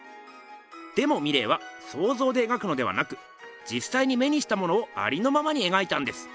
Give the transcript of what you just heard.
でもミレーはそうぞうで描くのではなくじっさいに目にしたものをありのままに描いたんです。